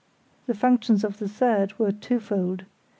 The functions of the third were twofold.